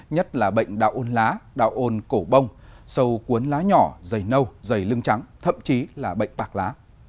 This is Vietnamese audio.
nhất là bệnh đạo ôn lá đạo ôn cổ bông sâu cuốn lá nhỏ dày nâu dày lưng trắng thậm chí là bệnh bạc lá